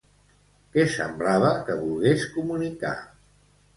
Què semblava que volgués comunicar?